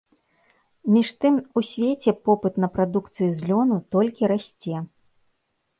Між тым у свеце попыт на прадукцыю з лёну толькі расце.